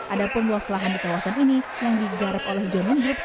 ada pembuas lahan di kawasan ini yang digarap oleh john lynn group